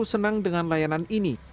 senang dengan layanan ini